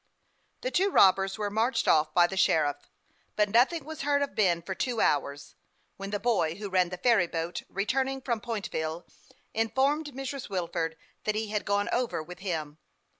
The two robbers were marched off by the sheriff ; but nothing was heard of Ben for two hours, when 26 302 HASTE AND WASTE, OK the boy who ran the ferry boat, returning from Point ville, informed Mrs. "Wilford that he had gone over with him.